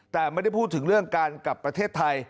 แต่ไม่ได้พูดถึงเรื่องการกลับประเทศไทย